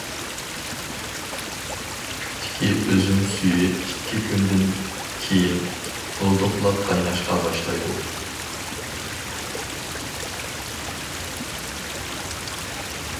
كۈپتىكى ئۈزۈم سۈيى ئىككى كۈندىن كېيىن بۇلدۇقلاپ قايناشقا باشلايدۇ.